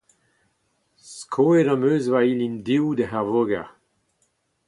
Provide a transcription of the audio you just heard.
Skoet em eus ma ilin dehoù ouzh ar voger.